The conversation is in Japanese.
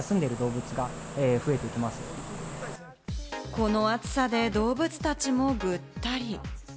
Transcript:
この暑さで動物たちもぐったり。